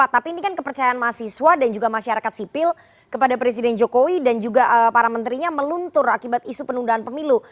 tapi ini kan kepercayaan mahasiswa dan juga masyarakat sipil kepada presiden jokowi dan juga para menterinya meluntur akibat isu penundaan pemilu